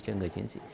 cho người chiến sĩ